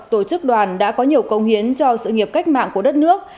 tổ chức đoàn đã có nhiều công hiến cho sự nghiệp cách mạng của đất nước